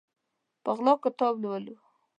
په غلا کتاب لولو